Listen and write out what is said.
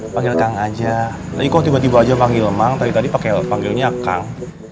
panggil kang aja tapi kok tiba tiba aja panggil lemang tadi tadi panggilnya kang